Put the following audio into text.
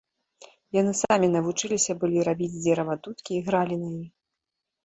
Яны самі навучыліся былі рабіць з дзерава дудкі і гралі на іх.